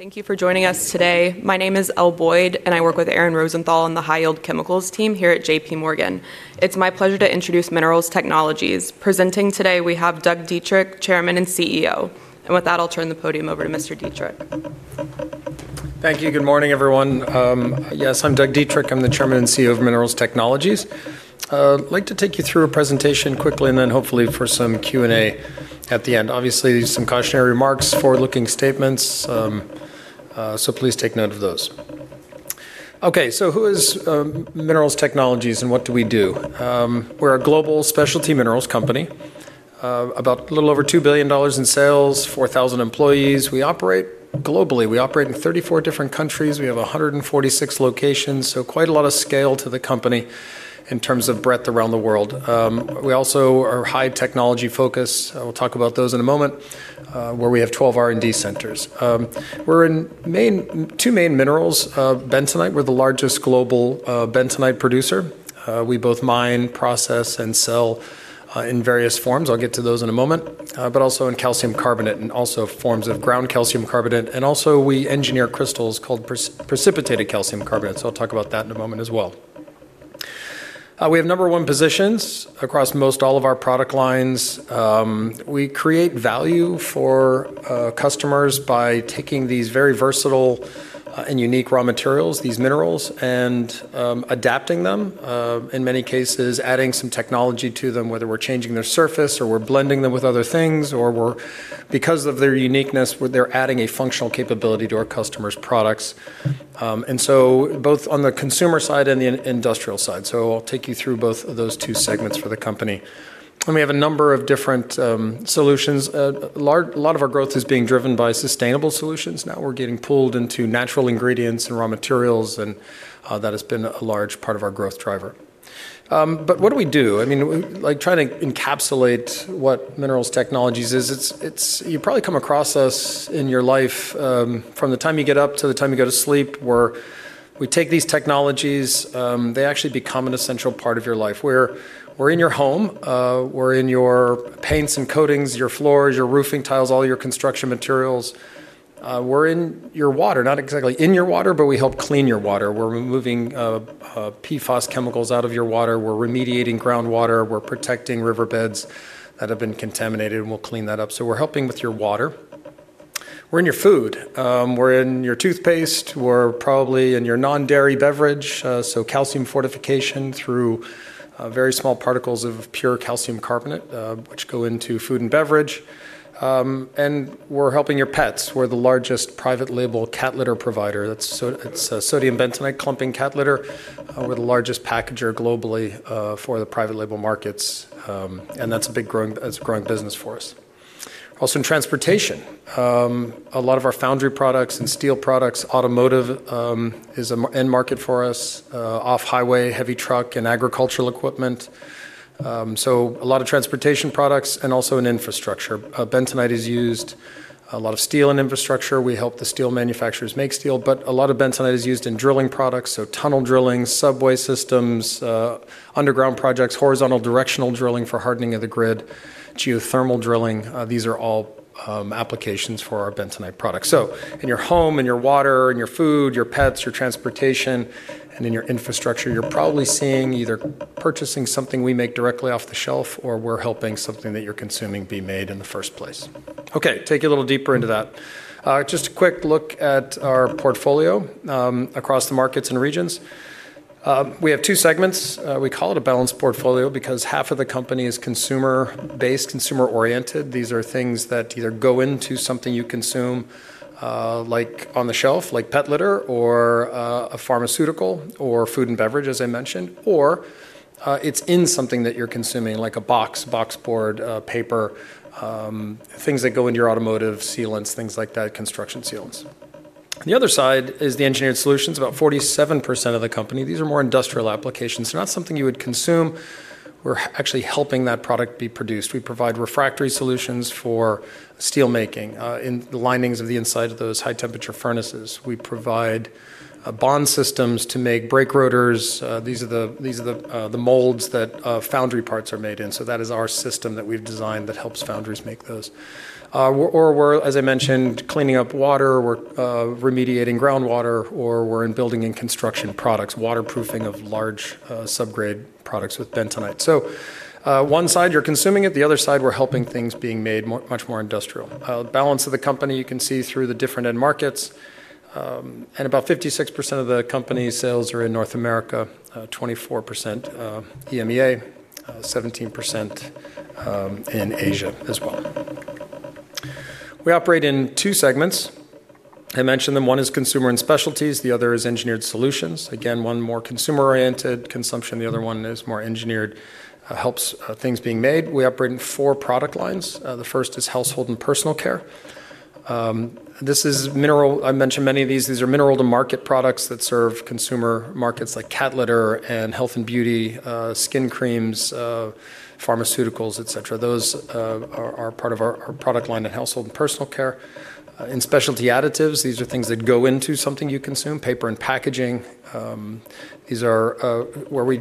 Thank you for joining us today. My name is Elle Boyd, and I work with Aaron Rosenthal on the High Yield Chemicals team here at J.P. Morgan. It's my pleasure to introduce Minerals Technologies. Presenting today, we have Doug Dietrich, Chairman and CEO. With that, I'll turn the podium over to Mr. Dietrich. Thank you. Good morning, everyone. Yes, I'm Doug Dietrich. I'm the Chairman and CEO of Minerals Technologies. I'd like to take you through a presentation quickly and then hopefully for some Q&A at the end. Obviously, some cautionary remarks, forward-looking statements, so please take note of those. Who is Minerals Technologies, and what do we do? We're a global specialty minerals company, about a little over $2 billion in sales, 4,000 employees. We operate globally. We operate in 34 different countries. We have 146 locations, so quite a lot of scale to the company in terms of breadth around the world. We also are high technology-focused, I will talk about those in a moment, where we have 12 R&D centers. We're in two main minerals, bentonite. We're the largest global bentonite producer. We both mine, process, and sell in various forms. I'll get to those in a moment. Also in calcium carbonate and also forms of ground calcium carbonate. Also, we engineer crystals called precipitated calcium carbonate. I'll talk about that in a moment as well. We have number one positions across most all of our product lines. We create value for customers by taking these very versatile and unique raw materials, these minerals, and adapting them, in many cases, adding some technology to them, whether we're changing their surface, or we're blending them with other things, or because of their uniqueness, they're adding a functional capability to our customers' products. Both on the consumer side and the industrial side. I'll take you through both of those two segments for the company. We have a number of different solutions. A lot of our growth is being driven by sustainable solutions. Now we're getting pulled into natural ingredients and raw materials, and that has been a large part of our growth driver. What do we do? I mean, like, trying to encapsulate what Minerals Technologies is. It's, you've probably come across us in your life, from the time you get up to the time you go to sleep. We take these technologies, they actually become an essential part of your life. We're in your home, we're in your paints and coatings, your floors, your roofing tiles, all your construction materials. We're in your water, not exactly in your water, but we help clean your water. We're removing PFAS chemicals out of your water. We're remediating groundwater. We're protecting riverbeds that have been contaminated, and we'll clean that up. We're helping with your water. We're in your food. We're in your toothpaste. We're probably in your non-dairy beverage, so calcium fortification through very small particles of pure calcium carbonate, which go into food and beverage. We're helping your pets. We're the largest private label cat litter provider. It's sodium bentonite clumping cat litter. We're the largest packager globally for the private label markets, and that's a growing business for us. Also in transportation, a lot of our foundry products and steel products, automotive, is an end market for us, off-highway, heavy truck, and agricultural equipment. A lot of transportation products and also in infrastructure. Bentonite is used. A lot of steel in infrastructure. We help the steel manufacturers make steel, but a lot of bentonite is used in drilling products, so tunnel drilling, subway systems, underground projects, horizontal directional drilling for hardening of the grid, geothermal drilling. These are all applications for our bentonite products. In your home, in your water, in your food, your pets, your transportation, and in your infrastructure, you're probably seeing either purchasing something we make directly off the shelf, or we're helping something that you're consuming be made in the first place. Okay, take you a little deeper into that. Just a quick look at our portfolio across the markets and regions. We have two segments. We call it a balanced portfolio because half of the company is consumer-based, consumer-oriented. These are things that either go into something you consume, like on the shelf, like pet litter or a pharmaceutical or food and beverage, as I mentioned. It's in something that you're consuming, like a box board, paper, things that go into your automotive sealants, things like that, construction sealants. The other side is the Engineered Solutions, about 47% of the company. These are more industrial applications. They're not something you would consume. We're actually helping that product be produced. We provide refractory solutions for steelmaking in the linings of the inside of those high-temperature furnaces. We provide bond systems to make brake rotors. These are the molds that foundry parts are made in. That is our system that we've designed that helps foundries make those. We're, as I mentioned, cleaning up water. We're remediating groundwater, or we're in building and construction products, waterproofing of large subgrade products with bentonite. One side you're consuming it, the other side we're helping things being made much more industrial. The balance of the company you can see through the different end markets. About 56% of the company's sales are in North America, 24% EMEA, 17% in Asia as well. We operate in two segments. I mentioned them. One is Consumer & Specialties, the other is Engineered Solutions. Again, one more consumer-oriented consumption, the other one is more engineered, helps things being made. We operate in four product lines. The first is Household & Personal Care. This is mineral. I mentioned many of these. These are mineral-to-market products that serve consumer markets like cat litter and health and beauty, skin creams, pharmaceuticals, etc. Those are part of our product line in Household & Personal Care. In Specialty Additives, these are things that go into something you consume, paper and packaging. These are where we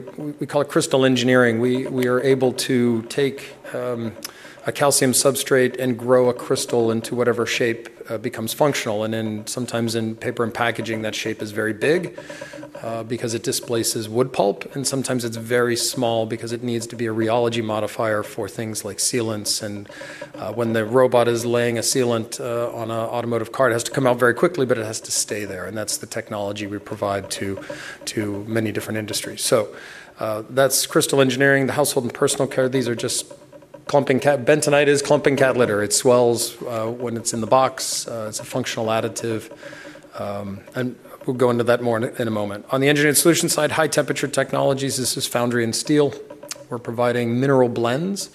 call it crystal engineering. We are able to take a calcium substrate and grow a crystal into whatever shape becomes functional. Sometimes in paper and packaging, that shape is very big because it displaces wood pulp, and sometimes it's very small because it needs to be a rheology modifier for things like sealants. When the robot is laying a sealant on a automotive car, it has to come out very quickly, but it has to stay there, and that's the technology we provide to many different industries. That's Crystal Engineering. The Household & Personal Care, these are just bentonite is clumping cat litter. It swells when it's in the box. It's a functional additive. We'll go into that more in a moment. On the Engineered Solutions side, High-Temperature Technologies, this is foundry and steel. We're providing mineral blends.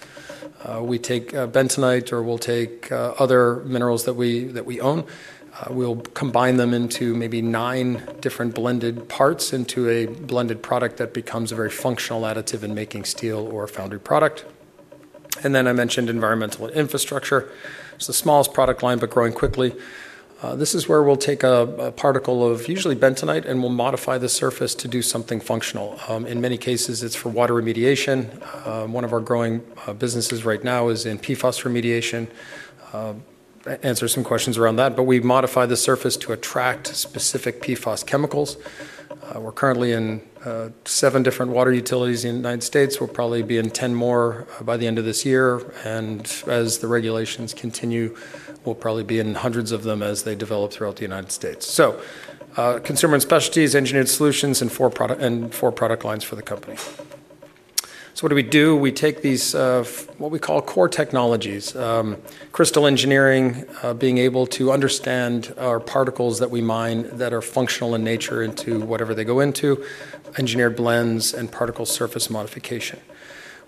We take bentonite, or we'll take other minerals that we own. We'll combine them into maybe nine different blended parts into a blended product that becomes a very functional additive in making steel or foundry product. I mentioned Environmental & Infrastructure. It's the smallest product line, but growing quickly. This is where we'll take a particle of usually bentonite, and we'll modify the surface to do something functional. In many cases, it's for water remediation. One of our growing businesses right now is in PFAS remediation. Answer some questions around that. We modify the surface to attract specific PFAS chemicals. We're currently in seven different water utilities in the United States. We'll probably be in 10 more by the end of this year. As the regulations continue, we'll probably be in hundreds of them as they develop throughout the United States. Consumer & Specialties, Engineered Solutions, and four product lines for the company. What do we do? We take these, what we call core technologies, crystal engineering, being able to understand our particles that we mine that are functional in nature into whatever they go into, engineered blends, and particle surface modification.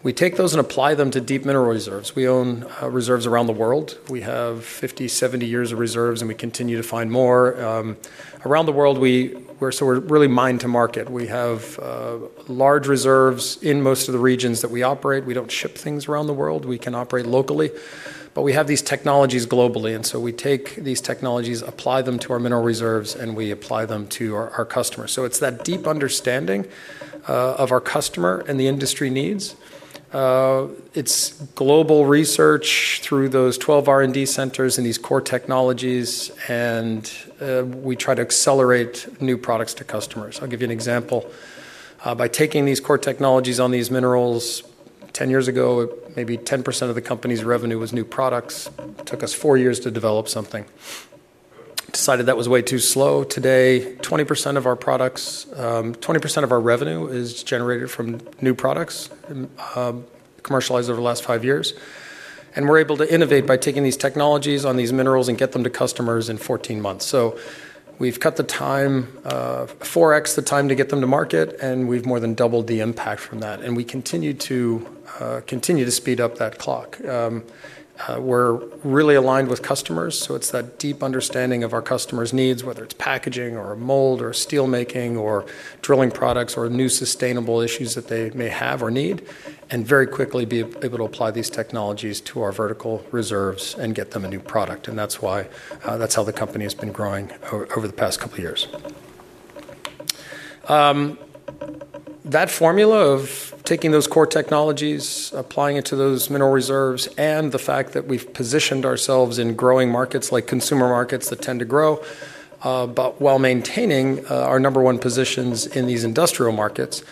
We take those and apply them to deep mineral reserves. We own reserves around the world. We have 50, 70 years of reserves, and we continue to find more. Around the world, we're sort of really mine to market. We have large reserves in most of the regions that we operate. We don't ship things around the world. We can operate locally. We have these technologies globally. We take these technologies, apply them to our mineral reserves, and we apply them to our customers. It's that deep understanding of our customer and the industry needs. It's global research through those 12 R&D centers and these core technologies. We try to accelerate new products to customers. I'll give you an example. By taking these core technologies on these minerals, 10 years ago, maybe 10% of the company's revenue was new products. It took us four years to develop something. Decided that was way too slow. Today, 20% of our products, 20% of our revenue is generated from new products, commercialized over the last five years. We're able to innovate by taking these technologies on these minerals and get them to customers in 14 months. We've cut the time, 4x the time to get them to market, and we've more than doubled the impact from that. We continue to speed up that clock. We're really aligned with customers, so it's that deep understanding of our customers' needs, whether it's packaging or a mold or steelmaking or drilling products or new sustainable issues that they may have or need, and very quickly be able to apply these technologies to our vertical reserves and get them a new product. That's why, that's how the company has been growing over the past couple years. That formula of taking those core technologies, applying it to those mineral reserves, and the fact that we've positioned ourselves in growing markets like consumer markets that tend to grow, but while maintaining our number one positions in these industrial markets,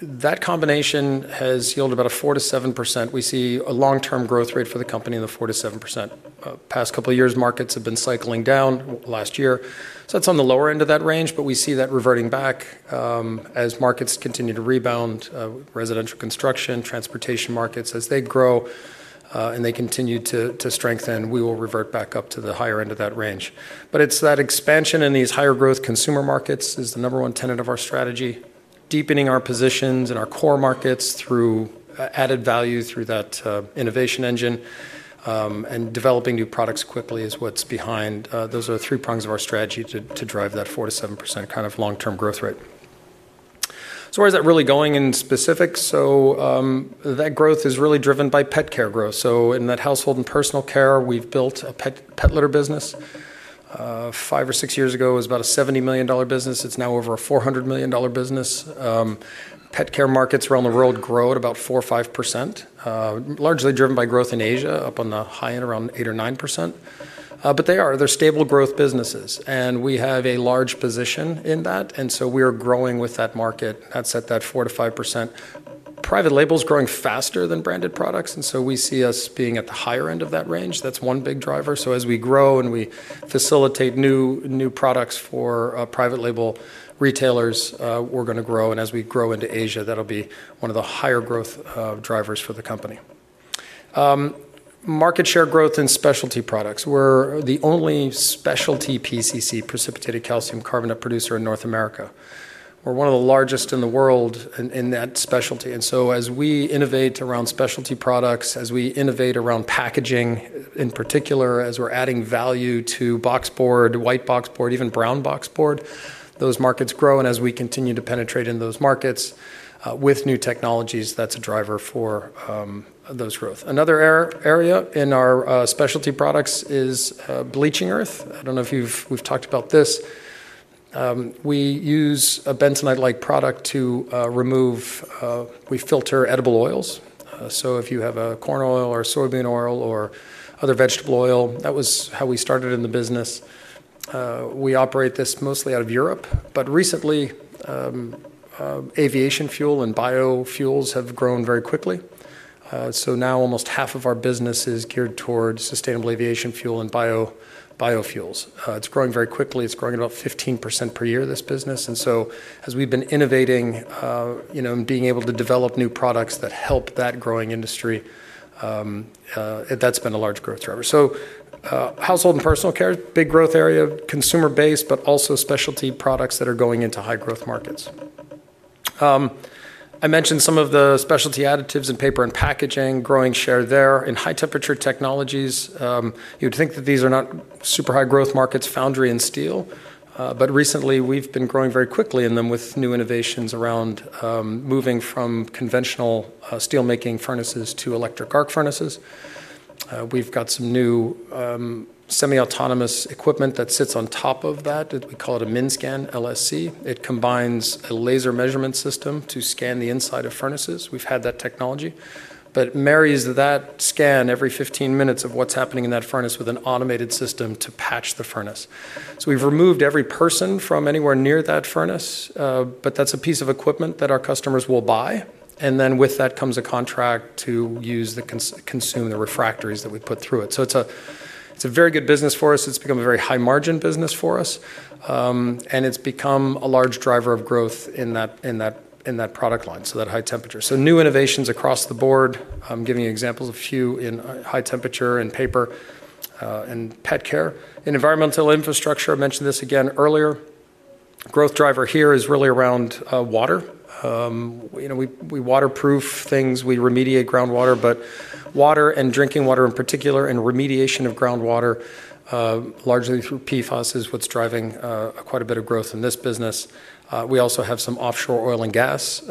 that combination has yielded about a 4% to 7%. We see a long-term growth rate for the company in the 4% to 7%. Past couple years, markets have been cycling down last year, so that's on the lower end of that range, but we see that reverting back as markets continue to rebound. Residential construction, transportation markets, as they grow and they continue to strengthen, we will revert back up to the higher end of that range. It's that expansion in these higher growth consumer markets is the number 1 tenet of our strategy, deepening our positions in our core markets through added value through that innovation engine, and developing new products quickly is what's behind. Those are the three prongs of our strategy to drive that 4%-7% kind of long-term growth rate. Where is that really going in specifics? That growth is really driven by pet care growth. In that Household & Personal Care, we've built a pet litter business. five or six years ago, it was about a $70 million business. It's now over a $400 million business. Pet care markets around the world grow at about 4% or 5%, largely driven by growth in Asia, up on the high end, around 8% or 9%. They are. They're stable growth businesses, and we have a large position in that, we are growing with that market at that 4%-5%. Private label is growing faster than branded products, we see us being at the higher end of that range. That's one big driver. As we grow and we facilitate new products for private label retailers, we're gonna grow. As we grow into Asia, that'll be one of the higher growth drivers for the company. Market share growth in specialty products. We're the only specialty PCC, precipitated calcium carbonate producer in North America. We're one of the largest in the world in that specialty. As we innovate around specialty products, as we innovate around packaging, in particular, as we're adding value to box board, white box board, even brown box board, those markets grow. As we continue to penetrate into those markets with new technologies, that's a driver for those growth. Another area in our specialty products is bleaching earth. I don't know if we've talked about this. We use a bentonite-like product to remove. We filter edible oils, if you have a corn oil or soybean oil or other vegetable oil, that was how we started in the business. We operate this mostly out of Europe, recently, aviation fuel and biofuels have grown very quickly. Now almost half of our business is geared towards sustainable aviation fuel and biofuels. It's growing very quickly. It's growing about 15% per year, this business. As we've been innovating, you know, and being able to develop new products that help that growing industry, that's been a large growth driver. Household & Personal Care, big growth area, consumer base, but also specialty products that are going into high growth markets. I mentioned some of the Specialty Additives in paper and packaging, growing share there. In High-Temperature Technologies, you'd think that these are not super high growth markets, foundry and steel, but recently, we've been growing very quickly in them with new innovations around moving from conventional steelmaking furnaces to electric arc furnaces. We've got some new semi-autonomous equipment that sits on top of that. We call it a MINSCAN LSC. It combines a laser measurement system to scan the inside of furnaces. We've had that technology. It marries that scan every 15 minutes of what's happening in that furnace with an automated system to patch the furnace. We've removed every person from anywhere near that furnace, but that's a piece of equipment that our customers will buy. With that comes a contract to use the consume the refractories that we put through it. It's a very good business for us. It's become a very high margin business for us. It's become a large driver of growth in that product line, so that High-Temperature Technologies. New innovations across the board. I'm giving you examples of a few in High-Temperature Technologies and paper and pet care. In Environmental & Infrastructure, I mentioned this again earlier. Growth driver here is really around water. You know, we waterproof things, we remediate groundwater, but water and drinking water in particular and remediation of groundwater largely through PFAS is what's driving quite a bit of growth in this business. We also have some offshore oil and gas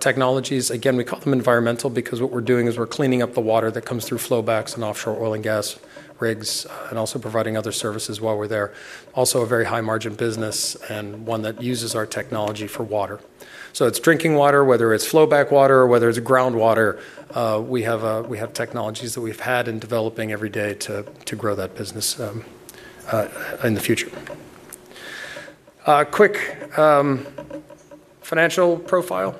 technologies. We call them environmental because what we're doing is we're cleaning up the water that comes through flowbacks and offshore oil and gas rigs and also providing other services while we're there. A very high margin business and one that uses our technology for water. It's drinking water, whether it's flowback water or whether it's groundwater, we have technologies that we've had and developing every day to grow that business in the future. Quick financial profile.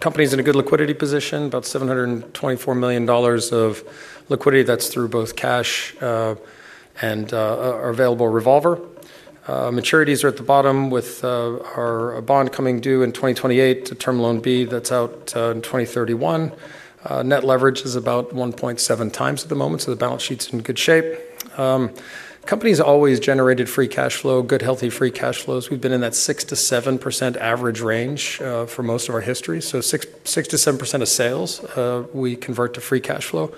Company's in a good liquidity position, about $724 million of liquidity. That's through both cash and our available revolver. Maturities are at the bottom with our bond coming due in 2028 to Term Loan B that's out in 2031. Net leverage is about 1.7x at the moment, so the balance sheet's in good shape. Company's always generated free cash flow, good, healthy free cash flows. We've been in that 6%-7% average range for most of our history. 6%-7% of sales we convert to free cash flow.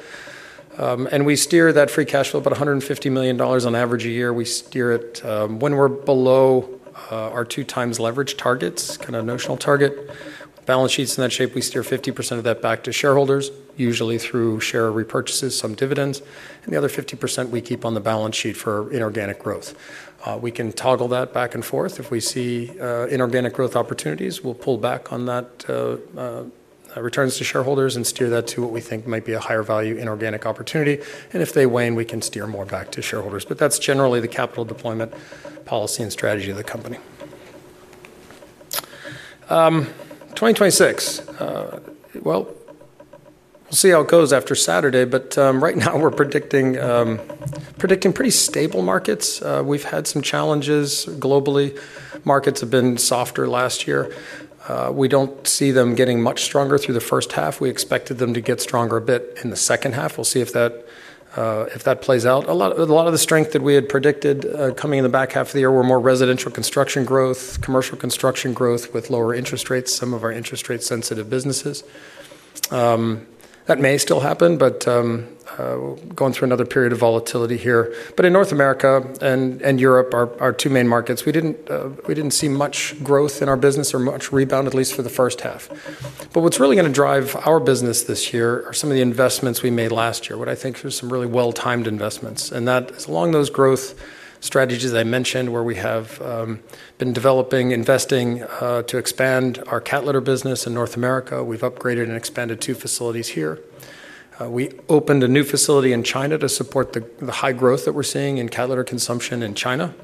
We steer that free cash flow, about $150 million on average a year. We steer it when we're below our 2x leverage targets, kind of notional target. Balance sheet's in that shape. We steer 50% of that back to shareholders, usually through share repurchases, some dividends, and the other 50% we keep on the balance sheet for inorganic growth. We can toggle that back and forth. If we see inorganic growth opportunities, we'll pull back on that returns to shareholders and steer that to what we think might be a higher value inorganic opportunity. If they wane, we can steer more back to shareholders. That's generally the capital deployment policy and strategy of the company. 2026. Well, we'll see how it goes after Saturday, but right now we're predicting pretty stable markets. We've had some challenges globally. Markets have been softer last year. We don't see them getting much stronger through the first half. We expected them to get stronger a bit in the second half. We'll see if that if that plays out. A lot of the strength that we had predicted, coming in the back half of the year were more residential construction growth, commercial construction growth with lower interest rates, some of our interest rate sensitive businesses. That may still happen, but going through another period of volatility here. In North America and Europe, our two main markets, we didn't see much growth in our business or much rebound, at least for the first half. What's really gonna drive our business this year are some of the investments we made last year, what I think were some really well-timed investments. That is along those growth strategies I mentioned, where we have been developing, investing, to expand our cat litter business in North America. We've upgraded and expanded two facilities here. We opened a new facility in China to support the high growth that we're seeing in cat litter consumption in China.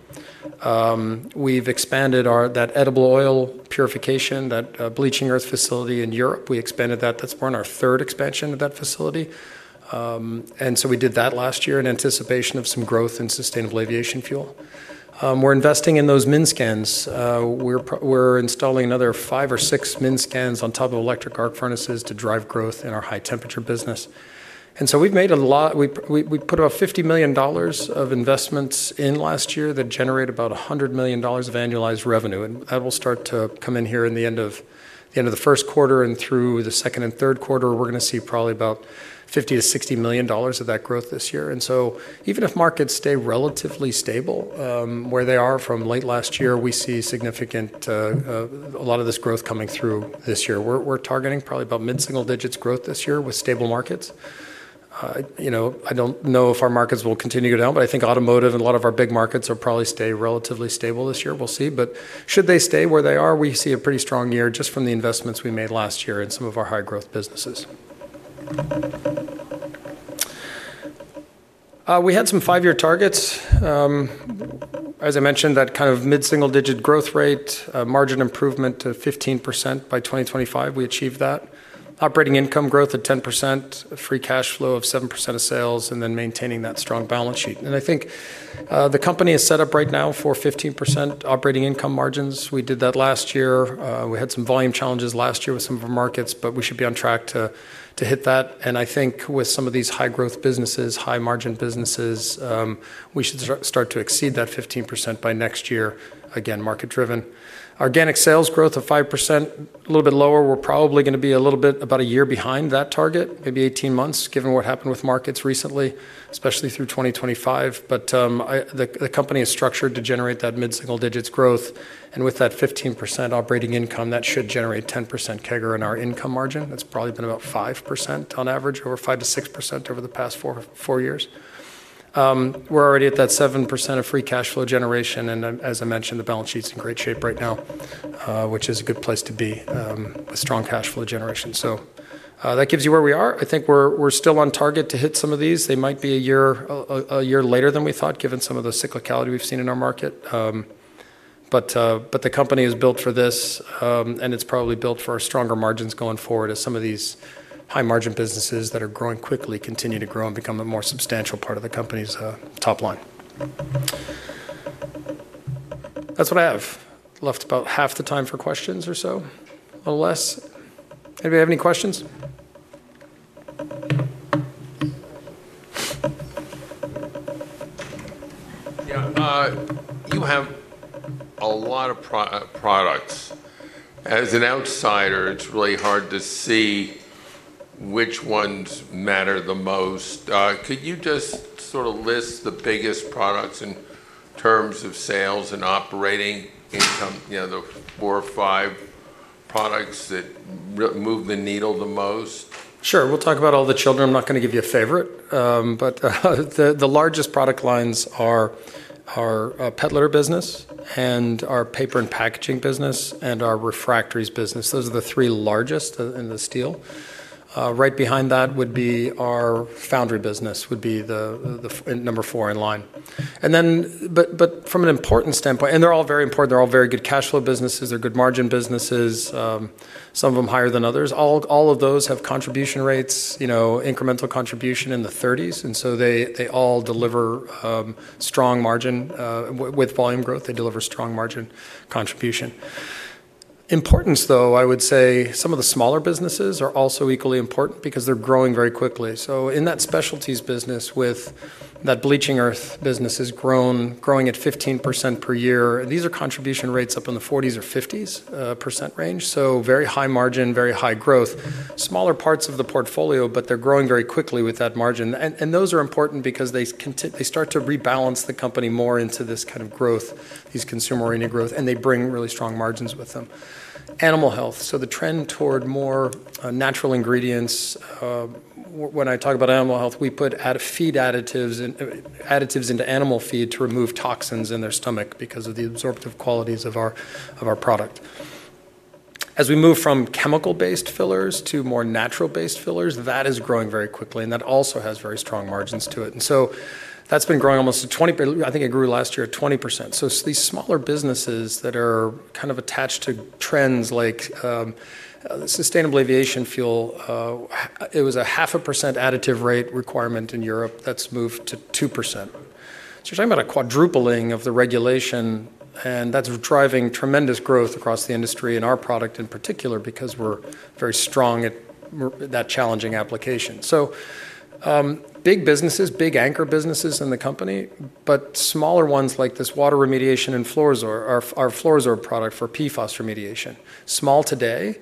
We've expanded that edible oil purification, that bleaching earth facility in Europe. We expanded that. That's been our third expansion of that facility. We did that last year in anticipation of some growth in sustainable aviation fuel. We're investing in those MINSCANs. We're installing another five or six MINSCANs on top of electric arc furnaces to drive growth in our high temperature business. We've made a lot. We put about $50 million of investments in last year that generate about $100 million of annualized revenue. That will start to come in here in the end of the first quarter and through the second and third quarter, we're gonna see probably about $50 million-$60 million of that growth this year. Even if markets stay relatively stable, where they are from late last year, we see significant a lot of this growth coming through this year. We're targeting probably about mid-single digits growth this year with stable markets. You know, I don't know if our markets will continue to go down, but I think automotive and a lot of our big markets will probably stay relatively stable this year. We'll see. Should they stay where they are, we see a pretty strong year just from the investments we made last year in some of our high growth businesses. We had some five year targets. As I mentioned, that kind of mid-single-digit growth rate, margin improvement of 15% by 2025, we achieved that. Operating income growth at 10%, free cash flow of 7% of sales, and then maintaining that strong balance sheet. I think, the company is set up right now for 15% operating income margins. We did that last year. We had some volume challenges last year with some of our markets, but we should be on track to hit that. I think with some of these high growth businesses, high margin businesses, we should start to exceed that 15% by next year, again, market-driven. Organic sales growth of 5%, a little bit lower. We're probably gonna be a little bit about a year behind that target, maybe 18 months, given what happened with markets recently, especially through 2025. The company is structured to generate that mid-single digits growth. With that 15% operating income, that should generate 10% CAGR in our income margin. That's probably been about 5% on average or 5%-6% over the past four years. We're already at that 7% of free cash flow generation. As I mentioned, the balance sheet's in great shape right now, which is a good place to be, a strong cash flow generation. That gives you where we are. I think we're still on target to hit some of these. They might be a year later than we thought, given some of the cyclicality we've seen in our market. The company is built for this, and it's probably built for stronger margins going forward as some of these high margin businesses that are growing quickly continue to grow and become a more substantial part of the company's top line. That's what I have. Left about half the time for questions or so, a little less. Anybody have any questions? Yeah. You have a lot of products. As an outsider, it's really hard to see which ones matter the most. Could you just sort of list the biggest products in terms of sales and operating income, you know, the four or five products that move the needle the most? Sure. We'll talk about all the children. I'm not gonna give you a favorite. The largest product lines are our pet litter business, and our paper and packaging business, and our refractory business. Those are the three largest in the steel. Right behind that would be our foundry business, would be the number four in line. From an important standpoint. They're all very important. They're all very good cash flow businesses. They're good margin businesses, some of them higher than others. All of those have contribution rates, you know, incremental contribution in the thirties, and so they all deliver strong margin. With volume growth, they deliver strong margin contribution. Importance, though, I would say some of the smaller businesses are also equally important because they're growing very quickly. In that Consumer & Specialties business with that bleaching earth business growing at 15% per year. These are contribution rates up in the 40s or 50s % range, so very high margin, very high growth. Smaller parts of the portfolio, but they're growing very quickly with that margin. Those are important because they start to rebalance the company more into this kind of growth, these consumer-oriented growth, and they bring really strong margins with them. Animal health. The trend toward more natural ingredients. When I talk about animal health, we put feed additives into animal feed to remove toxins in their stomach because of the absorptive qualities of our product. As we move from chemical-based fillers to more natural-based fillers, that is growing very quickly, and that also has very strong margins to it. That's been growing almost I think it grew last year at 20%. These smaller businesses that are kind of attached to trends like sustainable aviation fuel. It was a 0.5% additive rate requirement in Europe that's moved to 2%. You're talking about a quadrupling of the regulation, and that's driving tremendous growth across the industry and our product in particular because we're very strong at that challenging application. Big businesses, big anchor businesses in the company, but smaller ones like this water remediation and FLUORO-SORB, our FLUORO-SORB product for PFAS remediation. Small today,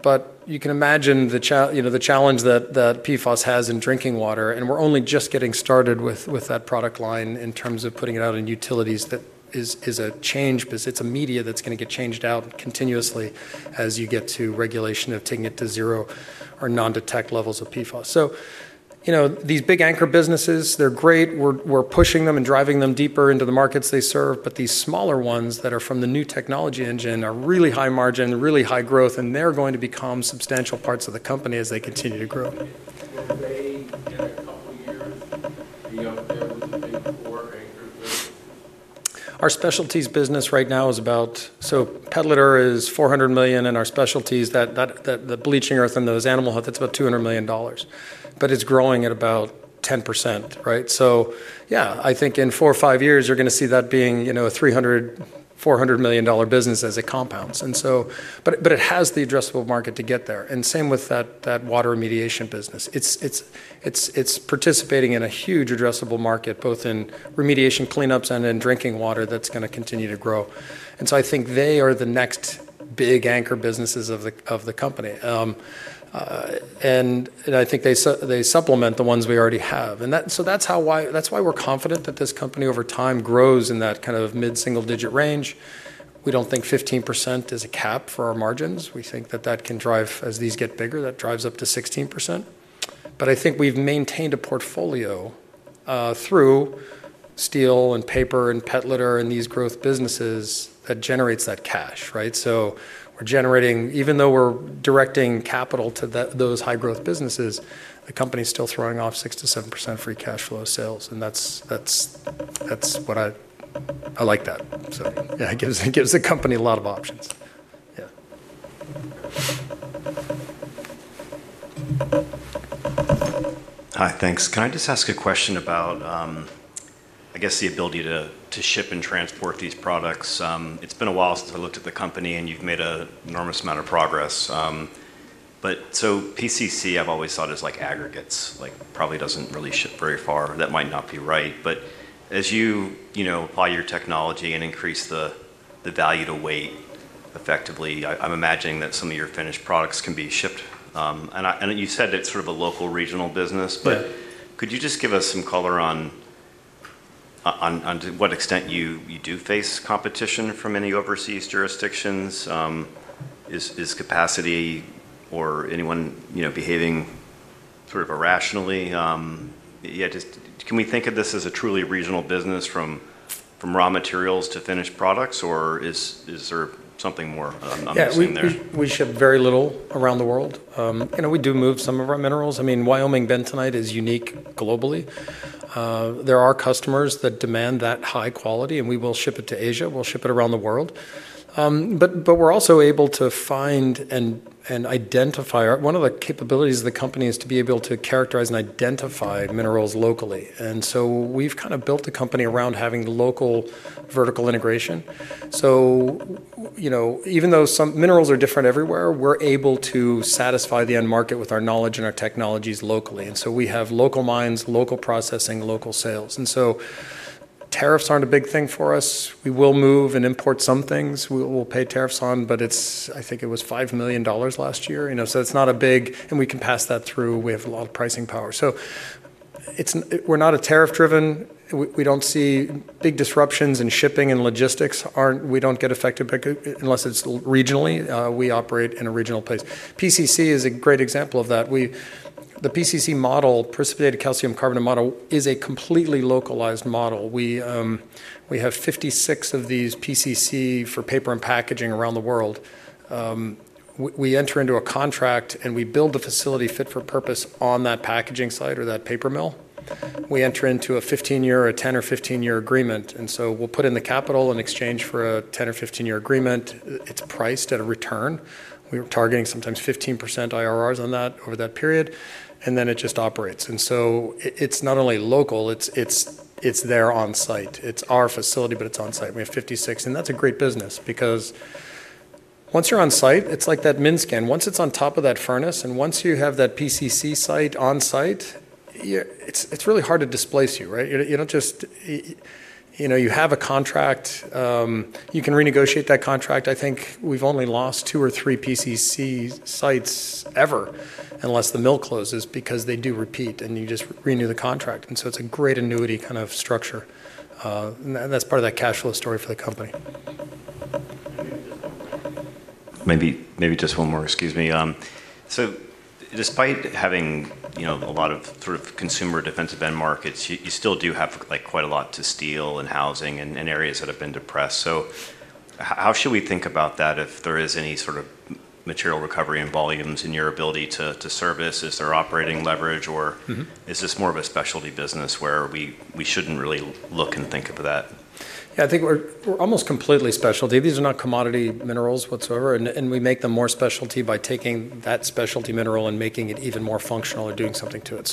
but you can imagine you know, the challenge that PFAS has in drinking water, and we're only just getting started with that product line in terms of putting it out in utilities that is a change 'cause it's a media that's gonna get changed out continuously as you get to regulation of taking it to zero or non-detect levels of PFAS. You know, these big anchor businesses, they're great. We're pushing them and driving them deeper into the markets they serve, but these smaller ones that are from the new technology engine are really high margin, really high growth, and they're going to become substantial parts of the company as they continue to grow. Could they, in a couple years, be up there with the big four anchor businesses? Our specialties business right now pet litter is $400 million, and our specialties, the bleaching earth and those animal health, it's about $200 million. It's growing at about 10%, right? Yeah, I think in 4 or 5 years, you're gonna see that being, you know, a $300 million-$400 million business as it compounds. It has the addressable market to get there, and same with that water remediation business. It's participating in a huge addressable market, both in remediation cleanups and in drinking water that's gonna continue to grow. I think they are the next big anchor businesses of the company. I think they supplement the ones we already have. That's why we're confident that this company over time grows in that kind of mid-single digit range. We don't think 15% is a cap for our margins. We think that that can drive, as these get bigger, that drives up to 16%. I think we've maintained a portfolio through steel and paper and pet litter and these growth businesses that generates that cash, right? We're generating even though we're directing capital to those high-growth businesses, the company's still throwing off 6%-7% free cash flow sales, and that's what I like that. Yeah, it gives the company a lot of options. Yeah. Hi. Thanks. Can I just ask a question about, I guess the ability to ship and transport these products? It's been a while since I looked at the company, and you've made an enormous amount of progress, PCC I've always thought as like aggregates, like probably doesn't really ship very far. That might not be right. As you know, apply your technology and increase the value to weight effectively, I'm imagining that some of your finished products can be shipped. You said it's sort of a local regional business. Yeah. Could you just give us some color on to what extent you do face competition from any overseas jurisdictions? Is capacity or anyone, you know, behaving sort of irrationally? Yeah, just can we think of this as a truly regional business from raw materials to finished products, or is there something more unseen there? Yeah. We ship very little around the world. you know, we do move some of our minerals. I mean, Wyoming bentonite is unique globally. There are customers that demand that high quality, and we will ship it to Asia, we'll ship it around the world. We're also able to find and identify One of the capabilities of the company is to be able to characterize and identify minerals locally. We've kind of built the company around having local vertical integration. you know, even though some minerals are different everywhere, we're able to satisfy the end market with our knowledge and our technologies locally. We have local mines, local processing, local sales. Tariffs aren't a big thing for us. We will move and import some things we'll pay tariffs on, but it's, I think it was $5 million last year. You know, it's not a big. We can pass that through. We have a lot of pricing power. It's, we're not a tariff-driven. We don't see big disruptions in shipping and logistics. We don't get affected unless it's regionally. We operate in a regional place. PCC is a great example of that. The PCC model, precipitated calcium carbonate model, is a completely localized model. We have 56 of these PCC for paper and packaging around the world. We enter into a contract, and we build a facility fit for purpose on that packaging site or that paper mill. We enter into a 15 year or 10 or 15 year agreement. We'll put in the capital in exchange for a 10 or 15 year agreement. It's priced at a return. We're targeting sometimes 15% IRRs on that over that period, and then it just operates. It's not only local, it's there on-site. It's our facility, but it's on-site. We have 56, and that's a great business because once you're on-site, it's like that MINSCAN. Once it's on top of that furnace, and once you have that PCC site on-site, it's really hard to displace you, right? You know, you don't just You know, you have a contract. You can renegotiate that contract. I think we've only lost two or three PCC sites ever unless the mill closes because they do repeat, and you just renew the contract. It's a great annuity kind of structure. That's part of that cash flow story for the company. Maybe just one more. Excuse me. Despite having, you know, a lot of sort of consumer defensive end markets, you still do have like quite a lot to steel and housing and areas that have been depressed. How should we think about that if there is any sort of material recovery and volumes in your ability to service? Is there operating leverage or? Mm-hmm. Is this more of a specialty business where we shouldn't really look and think of that? Yeah. I think we're almost completely specialty. These are not commodity minerals whatsoever, and we make them more specialty by taking that specialty mineral and making it even more functional or doing something to it.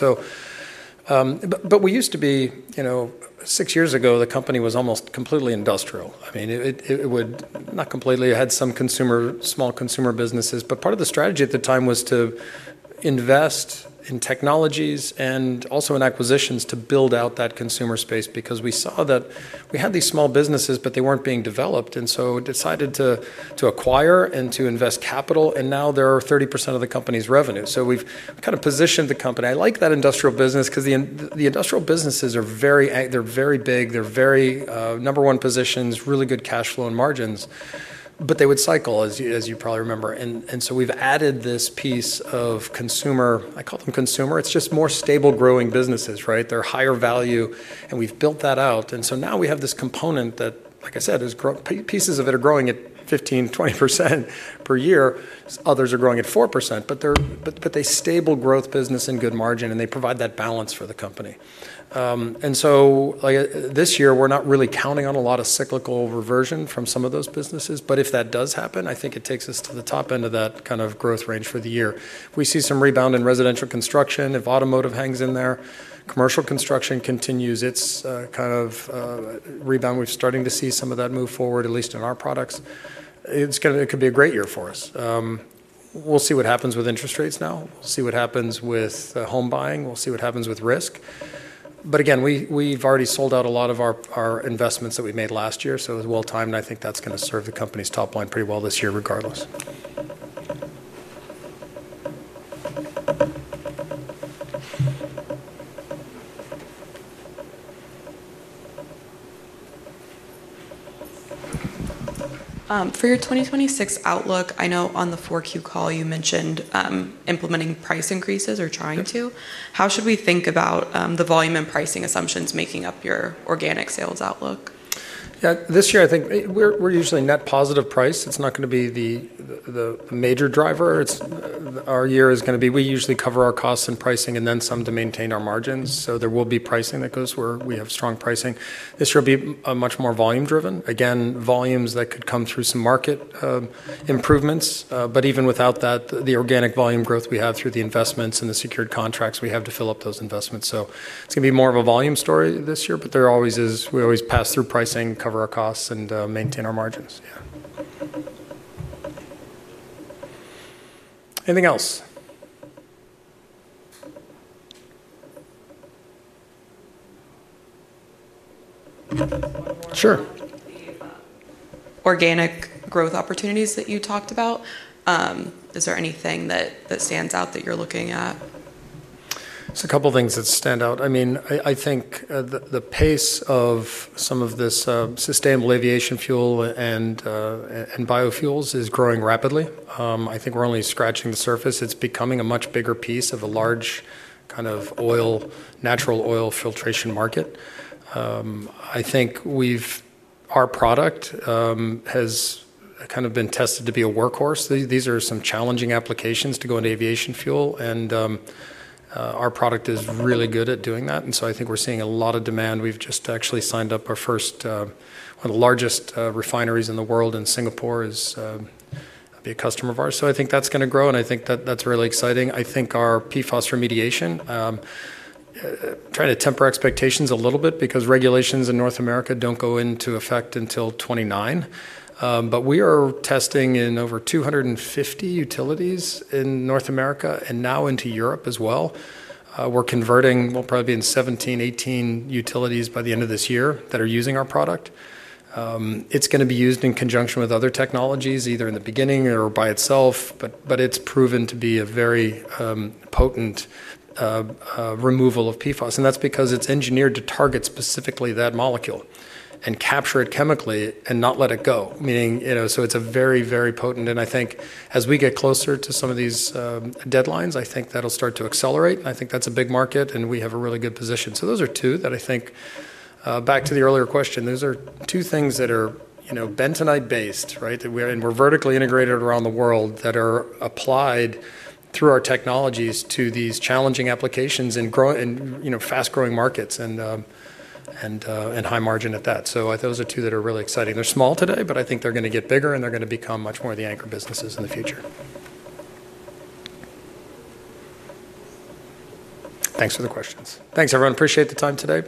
But we used to be, you know, six years ago, the company was almost completely industrial. I mean, not completely. It had some consumer, small consumer businesses. Part of the strategy at the time was to invest in technologies and also in acquisitions to build out that consumer space because we saw that we had these small businesses, but they weren't being developed, decided to acquire and to invest capital, and now they're 30% of the company's revenue. We've kind of positioned the company. I like that industrial business 'cause the industrial businesses are very big, they're very, number one positions, really good cash flow and margins. They would cycle, as you probably remember. We've added this piece of consumer. I call them consumer. It's just more stable growing businesses, right. They're higher value, and we've built that out. Now we have this component that, like I said, is pieces of it are growing at 15%, 20% per year. Others are growing at 4%. They're stable growth business and good margin, and they provide that balance for the company. Like, this year we're not really counting on a lot of cyclical reversion from some of those businesses. If that does happen, I think it takes us to the top end of that kind of growth range for the year. If we see some rebound in residential construction, if automotive hangs in there, commercial construction continues its kind of rebound, we're starting to see some of that move forward, at least in our products. It could be a great year for us. We'll see what happens with interest rates now, see what happens with home buying. We'll see what happens with risk. Again, we've already sold out a lot of our investments that we made last year, so it was well-timed, and I think that's gonna serve the company's top line pretty well this year regardless. For your 2026 outlook, I know on the 4Q call you mentioned, implementing price increases or trying to. Yep. How should we think about the volume and pricing assumptions making up your organic sales outlook? Yeah, this year I think we're usually net positive price. It's not gonna be the major driver. Our year is gonna be we usually cover our costs and pricing and then some to maintain our margins. There will be pricing that goes where we have strong pricing. This year will be a much more volume driven. Again, volumes that could come through some market improvements. Even without that, the organic volume growth we have through the investments and the secured contracts, we have to fill up those investments. It's gonna be more of a volume story this year, but there always is we always pass through pricing, cover our costs, and maintain our margins. Yeah. Anything else? One more. Sure. The organic growth opportunities that you talked about, is there anything that stands out that you're looking at? There's a couple things that stand out. I mean, I think the pace of some of this sustainable aviation fuel and biofuels is growing rapidly. I think we're only scratching the surface. It's becoming a much bigger piece of a large kind of oil, natural oil filtration market. I think our product has kind of been tested to be a workhorse. These are some challenging applications to go into aviation fuel and our product is really good at doing that. I think we're seeing a lot of demand. We've just actually signed up our first, one of the largest refineries in the world in Singapore is, be a customer of ours. I think that's gonna grow, and I think that's really exciting. I think our PFAS remediation, trying to temper expectations a little bit because regulations in North America don't go into effect until 2029. We are testing in over 250 utilities in North America and now into Europe as well. We're converting, we'll probably be in 17, 18 utilities by the end of this year that are using our product. It's gonna be used in conjunction with other technologies, either in the beginning or by itself, but it's proven to be a very potent removal of PFAS, and that's because it's engineered to target specifically that molecule and capture it chemically and not let it go. Meaning, you know, so it's a very, very potent and I think as we get closer to some of these deadlines, I think that'll start to accelerate. I think that's a big market and we have a really good position. Those are two that I think, back to the earlier question, those are two things that are, you know, bentonite-based, right? That we're, and we're vertically integrated around the world that are applied through our technologies to these challenging applications in, you know, fast-growing markets and high margin at that. Those are two that are really exciting. They're small today, but I think they're gonna get bigger and they're gonna become much more of the anchor businesses in the future. Thanks for the questions. Thanks, everyone. Appreciate the time today.